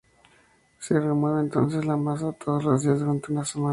Se remueve entonces la masa todos los días durante una semana.